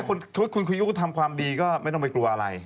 อันนี้คุณคุยโอคุณทำความดีก็ไม่ต้องไปกลัวอะไร